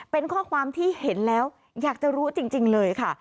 เป็นข้อความที่เห็นแล้วอยากจะรู้จริงเลยค่ะ